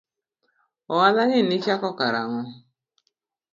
Oala ni nichako kar ang'o?